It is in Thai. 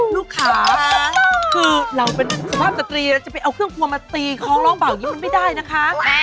ลูกค้าคือเราเป็นสุภาพสตรีเราจะไปเอาเครื่องครัวมาตีคล้องร้องเบาอย่างนี้มันไม่ได้นะคะ